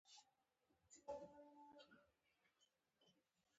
وسله د رڼا ضد ده